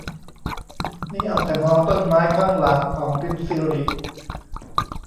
นี่เอาแต่มองต้นไม้ข้างหลังของพิมสิริ